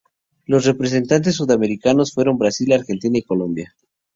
Los representantes sudamericanos fueron Brasil, Argentina y Colombia.